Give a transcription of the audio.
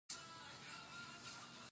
خلک باید د خوراک په اړه خپل فکر وکړي.